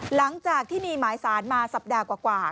หลังจากที่มีหมายสารมาสัปดาห์กว่า